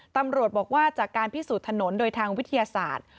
ตำรวจบอกว่าจากการพิสูจน์ถนนโดยทางวิทยาศาสตร์